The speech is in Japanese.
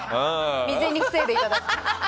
未然に防いでいただいて。